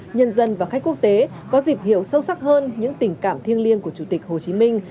nhân dân và khách quốc tế có dịp hiểu sâu sắc hơn những tình cảm thiêng liêng của chủ tịch hồ chí minh